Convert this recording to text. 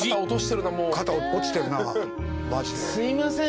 すいません